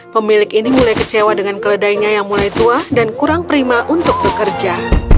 pemilik ini mulai kecewa dengan keledainya yang mulai tua dan kurang prima untuk bekerja